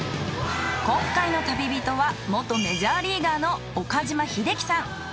今回の旅人は元メジャーリーガーの岡島秀樹さん。